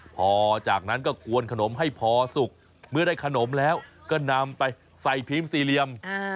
พอจากนั้นก็กวนขนมให้พอสุกเมื่อได้ขนมแล้วก็นำไปใส่พิมพ์สี่เหลี่ยม